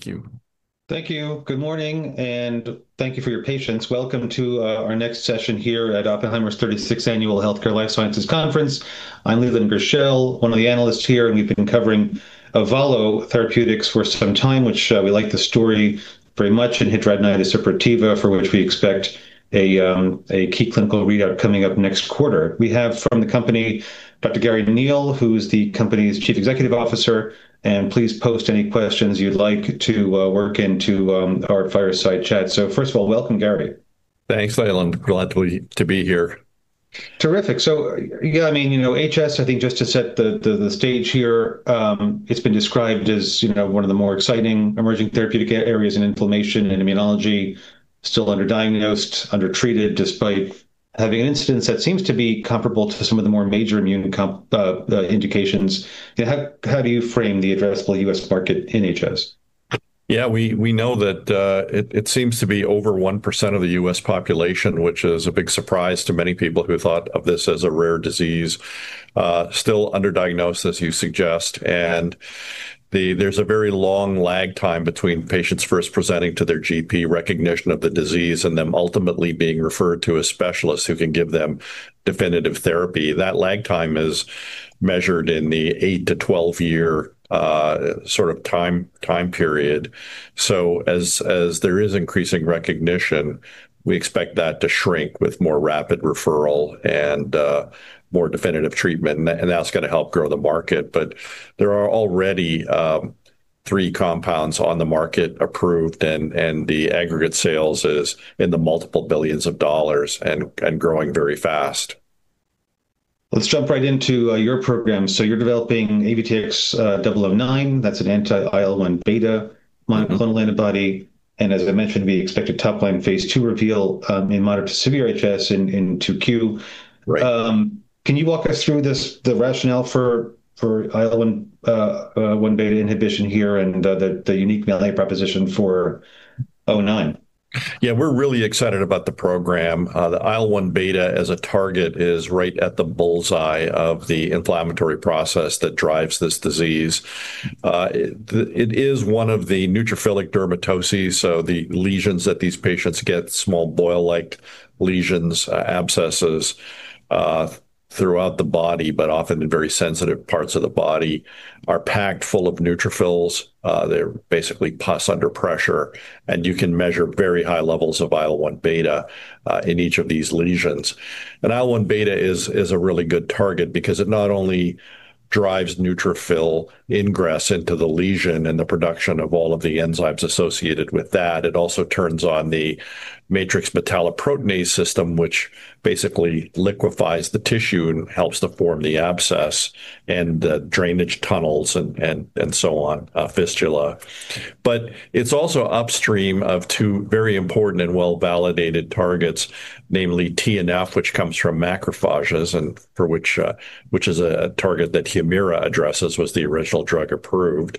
Thank you. Thank you. Good morning, and thank you for your patience. Welcome to our next session here at Oppenheimer's 36th Annual Healthcare Life Sciences Conference. I'm Leland Gershell, one of the Analysts here, and we've been covering Avalo Therapeutics for some time, which we like the story very much in hidradenitis suppurativa, for which we expect a key clinical readout coming up next quarter. We have from the company Dr. Garry Neil, who is the company's Chief Executive Officer, and please post any questions you'd like to work into our Fireside Chat. First of all, welcome, Garry. Thanks, Leland. Glad to be here. Terrific. Yeah, I mean, you know, HS, I think just to set the stage here, it's been described as, you know, one of the more exciting emerging therapeutic areas in inflammation and immunology, still underdiagnosed, undertreated, despite having an incidence that seems to be comparable to some of the more major immune indications. How, how do you frame the addressable U.S. market in HS? We know that it seems to be over 1% of the U.S. population, which is a big surprise to many people who thought of this as a rare disease. Still underdiagnosed, as you suggest, there's a very long lag time between patients first presenting to their GP, recognition of the disease, and them ultimately being referred to a specialist who can give them definitive therapy. That lag time is measured in the 8-12 year sort of time period. As there is increasing recognition, we expect that to shrink with more rapid referral and more definitive treatment, and that's going to help grow the market. There are already three compounds on the market approved, and the aggregate sales is in the multiple billions of dollars and growing very fast. Let's jump right into your program. You're developing AVTX-009. That's an anti-IL-1β monoclonal antibody. As I mentioned, we expect a top-line phase II reveal in moderate to severe HS in 2Q. Right. Can you walk us through the rationale for IL-1β inhibition here and the unique value proposition for AVTX-009? Yeah, we're really excited about the program. The IL-1β as a target is right at the bull's eye of the inflammatory process that drives this disease. It is one of the neutrophilic dermatoses, so the lesions that these patients get, small boil-like lesions, abscesses, throughout the body, but often in very sensitive parts of the body, are packed full of neutrophils. They're basically pus under pressure, and you can measure very high levels of IL-1β in each of these lesions. IL-1β is a really good target because it not only drives neutrophil ingress into the lesion and the production of all of the enzymes associated with that, it also turns on the matrix metalloproteinase system, which basically liquefies the tissue and helps to form the abscess and the drainage tunnels and so on, fistula. It's also upstream of two very important and well-validated targets, namely TNF, which comes from macrophages and for which is a target that Humira addresses, was the original drug approved,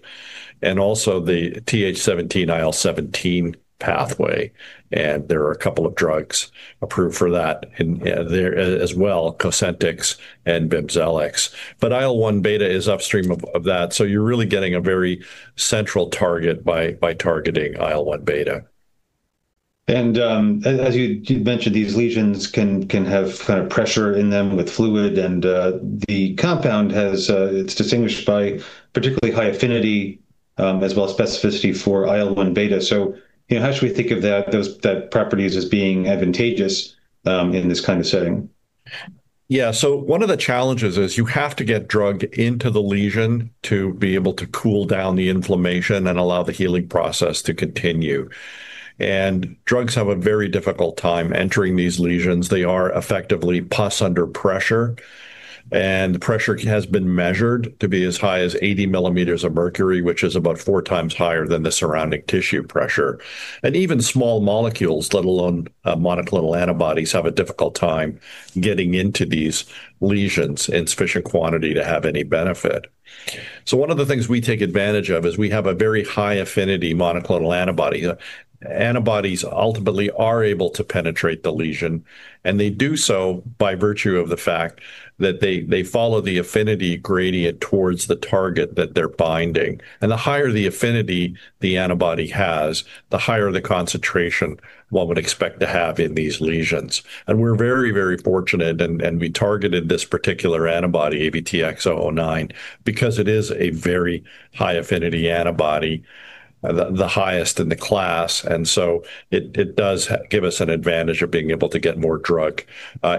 and also the TH-seventeen IL-17 pathway, and there are a couple of drugs approved for that in, there as well, Cosentyx and Bimzelx. IL-1β is upstream of that, so you're really getting a very central target by targeting IL-1β. As you mentioned, these lesions can have kind of pressure in them with fluid, and the compound is distinguished by particularly high affinity as well as specificity for IL-1β. You know, how should we think of that, those, that properties as being advantageous in this kind of setting? Yeah. One of the challenges is you have to get drug into the lesion to be able to cool down the inflammation and allow the healing process to continue, and drugs have a very difficult time entering these lesions. They are effectively pus under pressure, and the pressure has been measured to be as high as 80 millimeters of mercury, which is about 4 times higher than the surrounding tissue pressure. Even small molecules, let alone, monoclonal antibodies, have a difficult time getting into these lesions in sufficient quantity to have any benefit. One of the things we take advantage of is we have a very high affinity monoclonal antibody. Antibodies ultimately are able to penetrate the lesion, and they do so by virtue of the fact that they follow the affinity gradient towards the target that they're binding. The higher the affinity the antibody has, the higher the concentration one would expect to have in these lesions. We're very, very fortunate, and we targeted this particular antibody, AVTX-009, because it is a very high-affinity antibody, the highest in the class, and so it does give us an advantage of being able to get more drug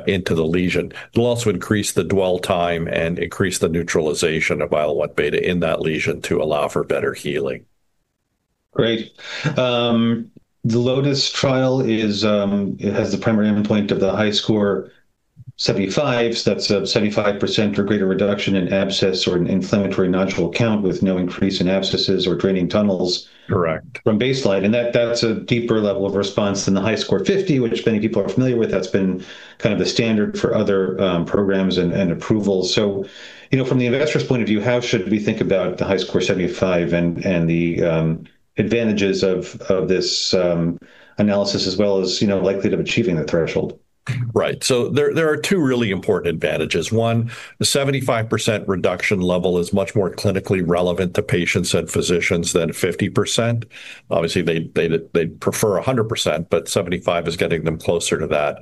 into the lesion. It'll also increase the dwell time and increase the neutralization of IL-1β in that lesion to allow for better healing. Great. The LOTUS trial is, it has the primary endpoint of the HiSCR75. That's a 75% or greater reduction in abscess or an inflammatory nodule count, with no increase in abscesses or draining tunnels. Correct from baseline, and that's a deeper level of response than the HiSCR50, which many people are familiar with. That's been kind of the standard for other programs and approvals. You know, from the investor's point of view, how should we think about the HiSCR75 and the advantages of this analysis as well as, you know, likely to achieving the threshold? Right. There are two really important advantages: one, the 75% reduction level is much more clinically relevant to patients and physicians than 50%. Obviously, they'd prefer 100%, but 75 is getting them closer to that.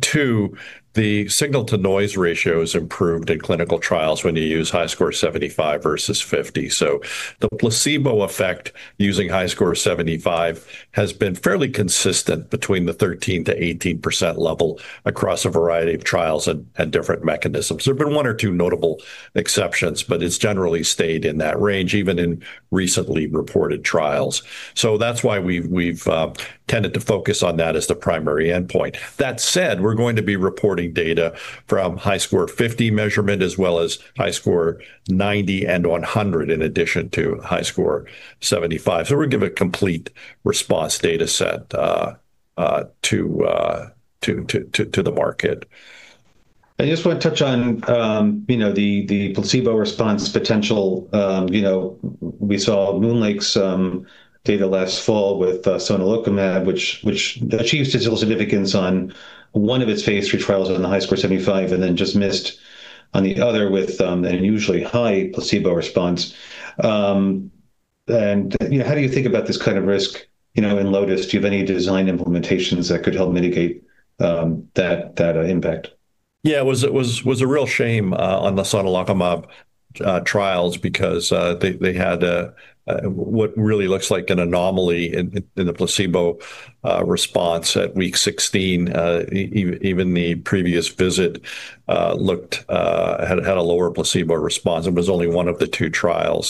Two, the signal-to-noise ratio is improved in clinical trials when you use HiSCR75 versus HiSCR50. The placebo effect using HiSCR75 has been fairly consistent between the 13%-18% level across a variety of trials and different mechanisms. There have been 1 or 2 notable exceptions, but it's generally stayed in that range, even in recently reported trials. That's why we've tended to focus on that as the primary endpoint. That said, we're going to be reporting data from HiSCR50 measurement, as well as HiSCR90 and HiSCR100, in addition to HiSCR75. We're giving a complete response data set to the market. I just want to touch on, you know, the placebo response potential. You know, we saw MoonLake's data last fall with sonelokimab, which achieved statistical significance on one of its phase III trials in the HiSCR75, and then just missed on the other with an unusually high placebo response. You know, how do you think about this kind of risk, you know, in LOTUS? Do you have any design implementations that could help mitigate that impact? It was a real shame on the sonelokimab trials because they had a what really looks like an anomaly in the placebo response at week 16. Even the previous visit looked, had a lower placebo response. It was only 1 of the 2 trials,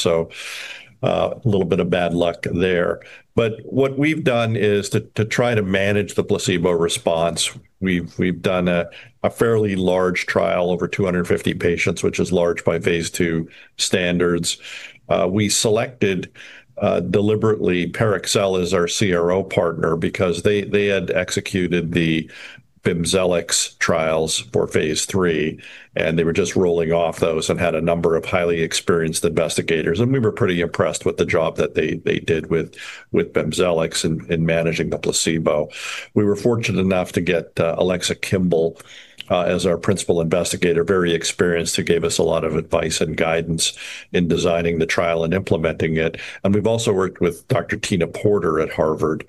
a little bit of bad luck there. What we've done is to try to manage the placebo response. We've done a fairly large trial, over 250 patients, which is large by phase II standards. We selected deliberately Parexel as our CRO partner because they had executed the BIMZELX trials for phase III, they were just rolling off those and had a number of highly experienced investigators. We were pretty impressed with the job that they did with BIMZELX in managing the placebo. We were fortunate enough to get Alexa Kimball as our Principal Investigator, very experienced, who gave us a lot of advice and guidance in designing the trial and implementing it. We've also worked with Dr. Martina Porter at Harvard,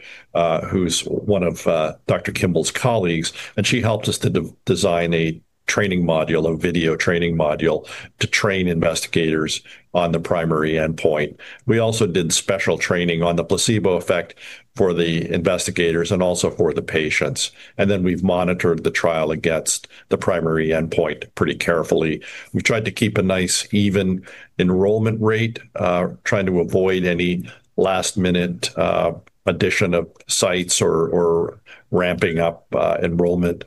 who's one of Dr. Kimball's colleagues, and she helped us to design a training module, a video training module, to train investigators on the primary endpoint. We also did special training on the placebo effect for the investigators and also for the patients. We've monitored the trial against the primary endpoint pretty carefully. We've tried to keep a nice, even enrollment rate, trying to avoid any last-minute addition of sites or ramping up enrollment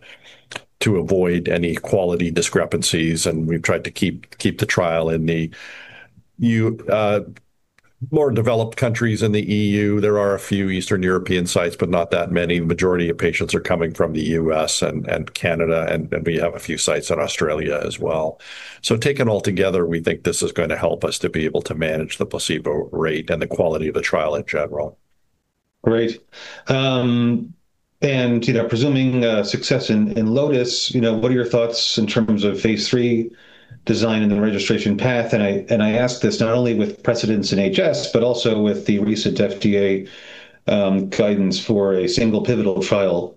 to avoid any quality discrepancies, and we've tried to keep the trial in More developed countries in the EU. There are a few Eastern European sites, but not that many. Majority of patients are coming from the U.S. and Canada, and we have a few sites in Australia as well. Taken altogether, we think this is going to help us to be able to manage the placebo rate and the quality of the trial in general. Great. You know, presuming success in LOTUS, you know, what are your thoughts in terms of phase III design and the registration path? I, and I ask this not only with precedents in HS, but also with the recent FDA guidance for a single pivotal trial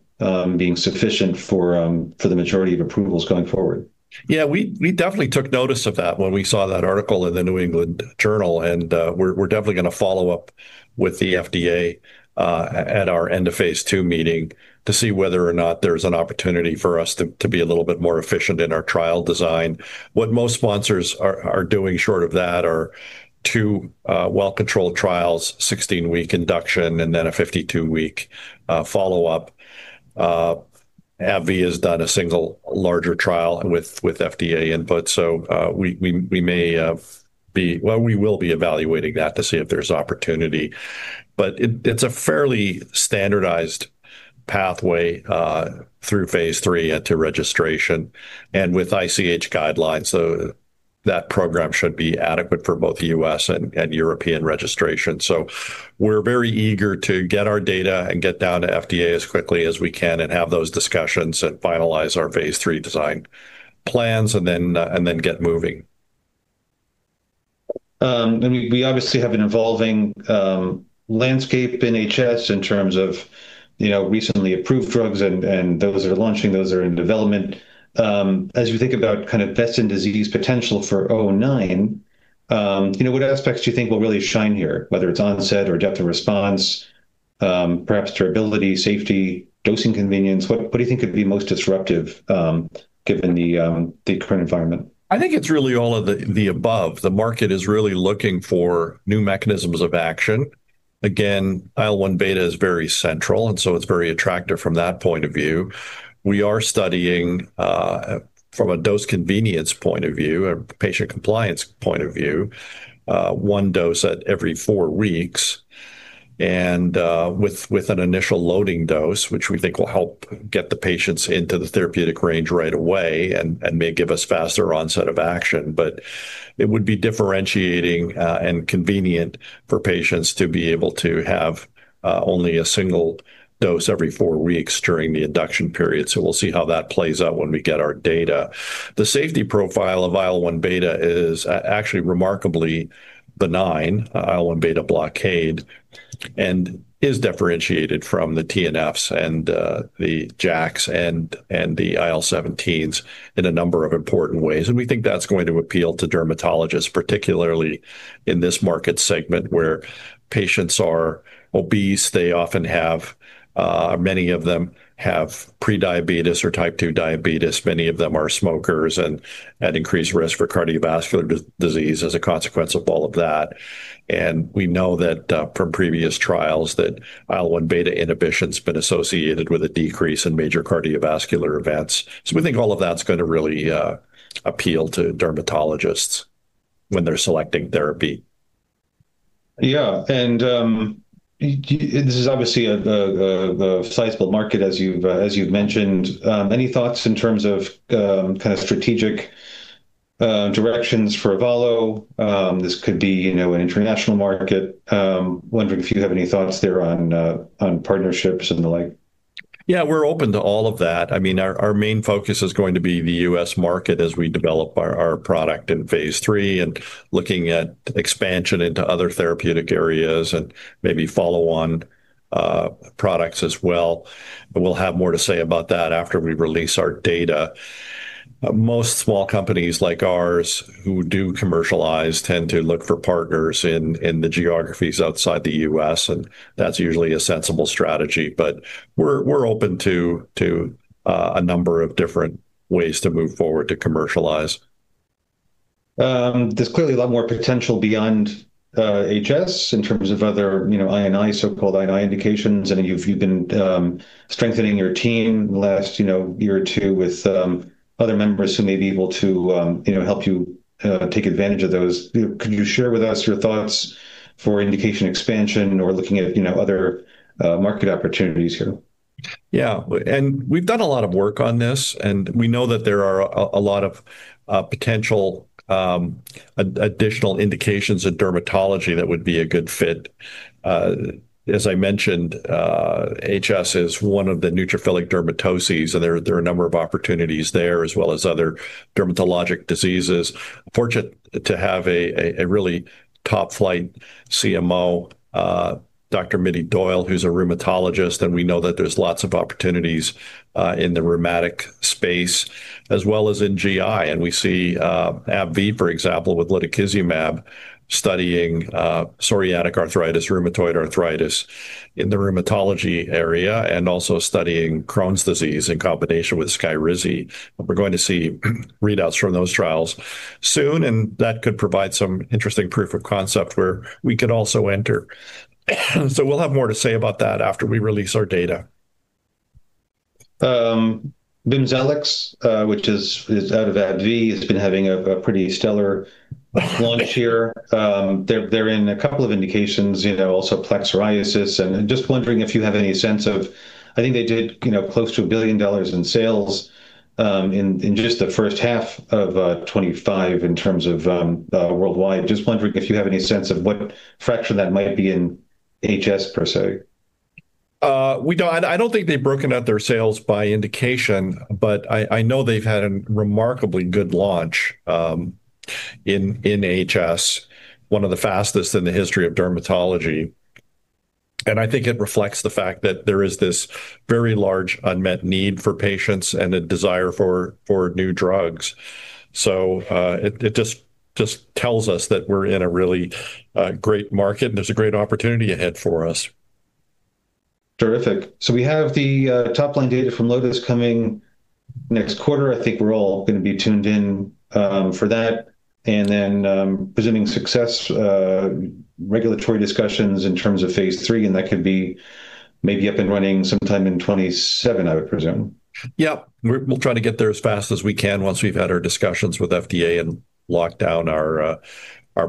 being sufficient for the majority of approvals going forward. Yeah, we definitely took notice of that when we saw that article in the New England Journal. We're definitely going to follow up with the FDA at our end of phase II meeting to see whether or not there's an opportunity for us to be a little bit more efficient in our trial design. What most sponsors are doing short of that are 2 well-controlled trials, 16-week induction, and then a 52-week follow-up. AbbVie has done a single larger trial with FDA input. Well, we may be evaluating that to see if there's opportunity. It's a fairly standardized pathway through phase III into registration, with ICH guidelines. That program should be adequate for both U.S. and European registration. We're very eager to get our data and get down to FDA as quickly as we can and have those discussions and finalize our phase III design plans, and then get moving. I mean, we obviously have an evolving landscape in HS in terms of, you know, recently approved drugs and those that are launching, those that are in development. As you think about kind of best-in-disease potential for O-nine, you know, what aspects do you think will really shine here? Whether it's onset or depth of response, perhaps durability, safety, dosing convenience, what do you think could be most disruptive, given the current environment? I think it's really all of the above. The market is really looking for new mechanisms of action. Again, IL-1β is very central, and so it's very attractive from that point of view. We are studying from a dose convenience point of view, a patient compliance point of view, 1 dose at every 4 weeks, and with an initial loading dose, which we think will help get the patients into the therapeutic range right away and may give us faster onset of action. But it would be differentiating and convenient for patients to be able to have only a single dose every 4 weeks during the induction period. We'll see how that plays out when we get our data. The safety profile of IL-1β is actually remarkably benign, IL-1β blockade, and is differentiated from the TNFs and the JAKs and the IL-17s in a number of important ways. We think that's going to appeal to dermatologists, particularly in this market segment, where patients are obese. They often have many of them have pre-diabetes or type 2 diabetes. Many of them are smokers and at increased risk for cardiovascular disease as a consequence of all of that. We know that from previous trials, that IL-1β inhibition's been associated with a decrease in major cardiovascular events. We think all of that's going to really appeal to dermatologists when they're selecting therapy. This is obviously a sizable market, as you've mentioned. Any thoughts in terms of kind of strategic directions for Avalo? This could be, you know, an international market. Wondering if you have any thoughts there on partnerships and the like? Yeah, we're open to all of that. I mean, our main focus is going to be the U.S. market as we develop our product in phase III, looking at expansion into other therapeutic areas and maybe follow on products as well. We'll have more to say about that after we release our data. Most small companies like ours who do commercialize, tend to look for partners in the geographies outside the U.S., that's usually a sensible strategy. We're open to a number of different ways to move forward to commercialize. There's clearly a lot more potential beyond HS in terms of other, you know, I and I, so-called I and I indications. You've been strengthening your team the last, you know, year or two with other members who may be able to, you know, help you take advantage of those. Could you share with us your thoughts for indication expansion or looking at, you know, other market opportunities here? Yeah, we've done a lot of work on this, and we know that there are a lot of potential additional indications in dermatology that would be a good fit. As I mentioned, HS is one of the neutrophilic dermatoses, and there are a number of opportunities there as well as other dermatologic diseases. Fortunate to have a really top flight CMO, Dr. Mittie Doyle, who's a rheumatologist, and we know that there's lots of opportunities in the rheumatic space as well as in GI. We see AbbVie, for example, with rituximab, studying psoriatic arthritis, rheumatoid arthritis in the rheumatology area, and also studying Crohn's disease in combination with SKYRIZI. We're going to see readouts from those trials soon, and that could provide some interesting proof of concept where we could also enter. We'll have more to say about that after we release our data. BIMZELX, which is out of AbbVie, has been having a pretty stellar launch here. They're in a couple of indications, you know, also plaque psoriasis. Just wondering if you have any sense of. I think they did, you know, close to $1 billion in sales in just the first half of 2025 in terms of worldwide. Just wondering if you have any sense of what fraction that might be in HS per se? I don't think they've broken out their sales by indication, but I know they've had a remarkably good launch in HS, one of the fastest in the history of dermatology. I think it reflects the fact that there is this very large unmet need for patients and a desire for new drugs. It just tells us that we're in a really great market, and there's a great opportunity ahead for us. Terrific. We have the top line data from LOTUS coming next quarter. I think we're all going to be tuned in for that. Presenting success, regulatory discussions in terms of phase III, and that could be maybe up and running sometime in 2027, I would presume. We'll try to get there as fast as we can once we've had our discussions with FDA and locked down our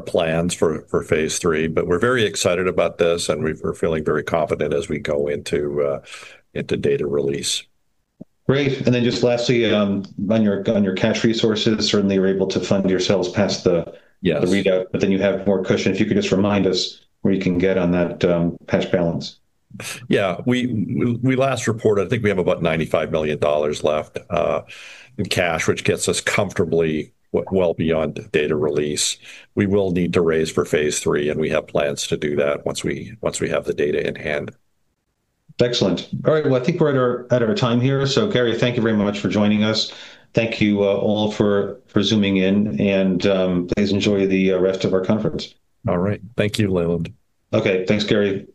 plans for phase III. We're very excited about this, and we're feeling very confident as we go into data release. Great. Just lastly, on your, on your cash resources, certainly you're able to fund yourselves. Yes the readout. You have more cushion. If you could just remind us where you can get on that cash balance. Yeah. We last reported, I think we have about $95 million left in cash, which gets us comfortably well beyond data release. We will need to raise for phase III, and we have plans to do that once we have the data in hand. Excellent. All right. Well, I think we're at our time here. Garry, thank you very much for joining us. Thank you, all for zooming in, please enjoy the, rest of our conference. All right. Thank you, Leland. Okay. Thanks, Garry. Bye-bye.